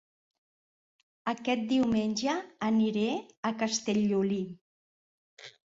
Aquest diumenge aniré a Castellolí